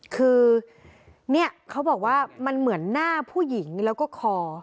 คือเนี่ยเขาบอกว่ามันเหมือนหน้าผู้หญิงแล้วก็คอ